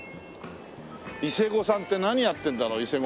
伊勢五さんって何やってるんだろう？